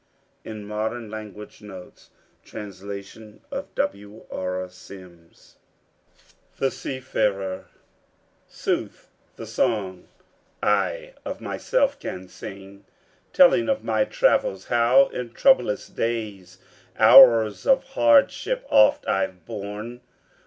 In 'Modern Language Notes': Translation of W.R. Sims. THE SEAFARER Sooth the song that I of myself can sing, Telling of my travels; how in troublous days, Hours of hardship oft I've borne!